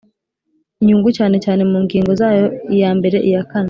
inyungu cyane cyane mu ngingo zayo iya mbere iya kane